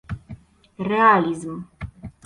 realizm